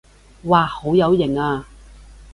哇好有型啊